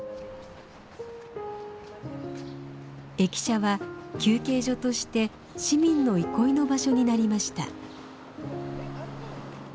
駅舎は休憩所として市民の憩いの場所になりました。